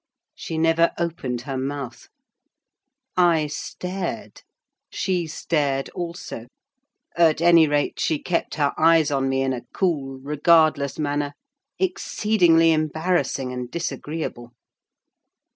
She never opened her mouth. I stared—she stared also: at any rate, she kept her eyes on me in a cool, regardless manner, exceedingly embarrassing and disagreeable.